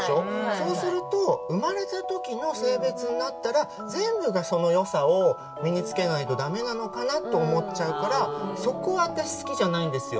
そうすると生まれたときの性別になったら全部がそのよさを身につけないとだめなのかなと思っちゃうからそこは私、好きじゃないんですよ。